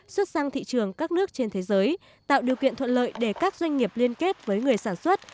xuất sang thị trường các nước trên thế giới tạo điều kiện thuận lợi để các doanh nghiệp liên kết với người sản xuất